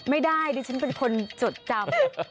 ไม่ได้ดิฉันเป็นคนจดจำ